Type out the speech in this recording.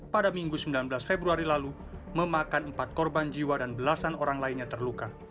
pada minggu sembilan belas februari lalu memakan empat korban jiwa dan belasan orang lainnya terluka